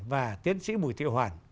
và tiến sĩ bùi thị hoàng